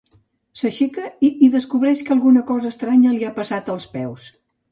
S'aixeca i descobreix que alguna cosa estranya li ha passat als peus.